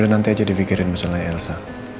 udah nanti aja dipikirin masalahnya elsa